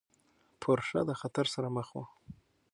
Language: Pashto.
پورشه د خطر سره مخ وه.